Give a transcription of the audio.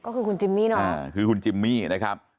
ก็คือคุณจิมมี่เนอะคือคุณจิมมี่นะครับ